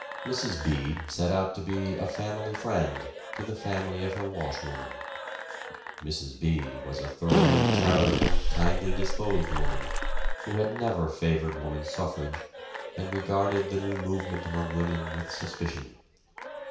Mrs. B. set out to be a "family friend" to the family of her washwoman. Mrs. B. was a thoroughly charitable, kindly disposed woman, who had never favored woman's suffrage and regarded the new movement among women with suspicion.